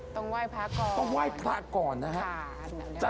ต้องไหว้พระก่อนต้องไหว้พระก่อนนะฮะ